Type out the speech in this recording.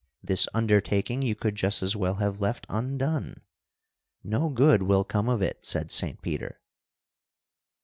This undertaking you could just as well have left undone. No good will come of it,' said Saint Peter."